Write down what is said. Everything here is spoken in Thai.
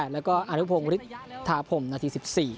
แล้วก็อารุพงธ์ฮิกทะพรมตอนนี้๑๔